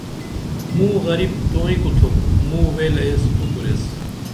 موں غریب توئیں کُتُھپ موں ویلہ ایس تو کُریس